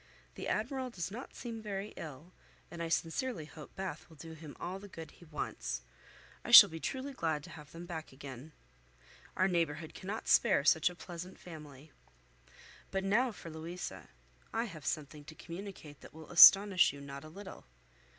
The Admiral does not seem very ill, and I sincerely hope Bath will do him all the good he wants. I shall be truly glad to have them back again. Our neighbourhood cannot spare such a pleasant family. But now for Louisa. I have something to communicate that will astonish you not a little.